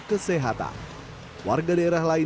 kesehatan warga daerah lain